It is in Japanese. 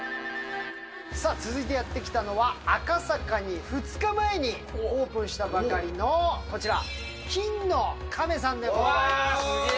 さあ、続いてやって来たのは、赤坂に２日前にオープンしたばかりのこちら、金の亀さんでございすげえ！